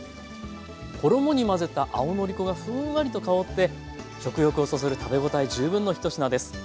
衣に混ぜた青のり粉がふんわりと香って食欲をそそる食べ応え十分の１品です。